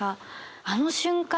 あの瞬間